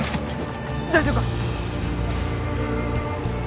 大丈夫か？